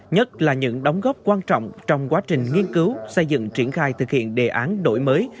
nhất là những đóng góp quan trọng trong quá trình nghiên cứu xây dựng triển khai thực hiện đề án đổi mới